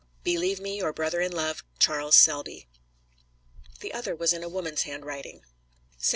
Believe me, your brother in love, CHARLES SELBY. The other was in a woman's handwriting: ST.